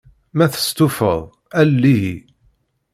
Ma testufaḍ, alel-iyi.